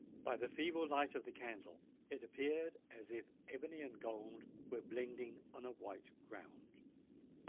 By the feeble light of the candle, it appeared as if ebony and gold were blending on a white ground.